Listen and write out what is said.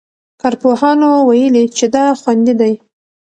کارپوهانو ویلي چې دا خوندي دی.